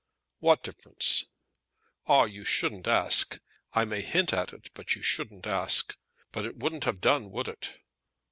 "What difference?" "Ah, you shouldn't ask. I may hint at it, but you shouldn't ask. But it wouldn't have done, would it?"